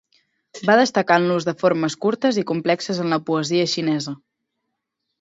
Va destacar en l'ús de formes curtes i complexes en la poesia xinesa.